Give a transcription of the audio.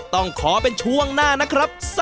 ต้องขอเป็นช่วงหน้านะครับ